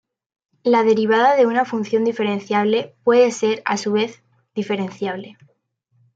La derivada de una función diferenciable puede ser, a su vez, diferenciable.